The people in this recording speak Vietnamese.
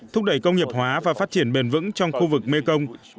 thúc đẩy công nghiệp hóa và phát triển bền vững trong khu vực mekong